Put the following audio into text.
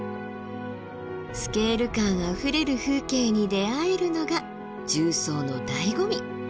スケール感あふれる風景に出会えるのが縦走のだいご味。